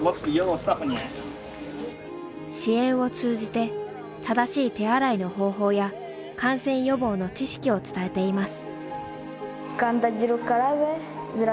支援を通じて正しい手洗いの方法や感染予防の知識を伝えています。